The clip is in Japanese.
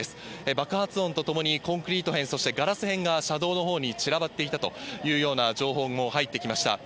爆発音とともにコンクリート片、そしてガラス片が車道のほうに散らばっていたというような情報も入ってきました。